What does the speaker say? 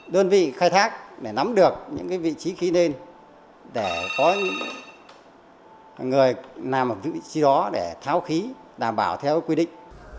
đơn vị khai thác để nắm được những vị trí khí nên để có những người nằm ở vị trí đó để tháo khí đảm bảo theo quy định